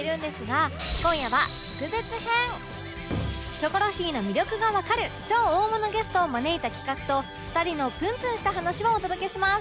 『キョコロヒー』の魅力がわかる超大物ゲストを招いた企画と２人のプンプンした話をお届けします